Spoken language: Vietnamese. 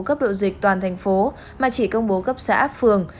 cấp độ dịch toàn thành phố mà chỉ công bố cấp xã phường